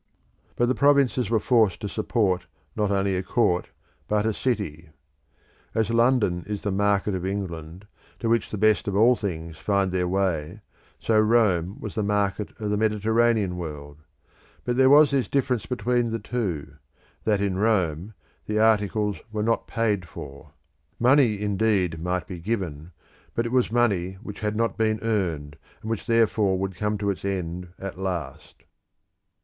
But the provinces were forced to support not only a court but a city. As London is the market of England, to which the best of all things find their way, so Rome was the market of the Mediterranean world; but there was this difference between the two, that in Rome the articles were not paid for. Money, indeed, might be given, but it was money which had not been earned, and which therefore would come to its end at last.